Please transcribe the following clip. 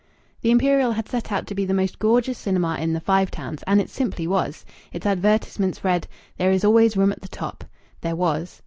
The Imperial had set out to be the most gorgeous cinema in the Five Towns; and it simply was. Its advertisements read: "There is always room at the top." There was.